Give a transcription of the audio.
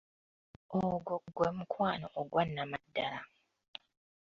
Ogwo gwe mukwano ogwa Nnamaddala!